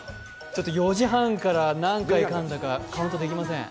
ちょっと４時半から何回かんだかカウントできません。